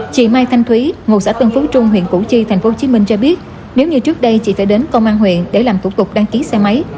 chị mai thanh thúy ngụ xã tân phú trung huyện củ chi tp hcm cho biết nếu như trước đây chị phải đến công an huyện để làm thủ tục đăng ký xe máy